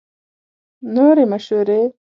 نورې مشورې